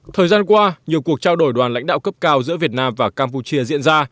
thời gian qua nhiều cuộc trao đổi đoàn lãnh đạo cấp cao giữa việt nam và campuchia diễn ra